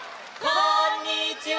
こんにちは！